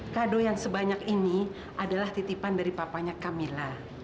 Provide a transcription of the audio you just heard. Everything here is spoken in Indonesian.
kado yang sebanyak ini adalah titipan dari papanya camilla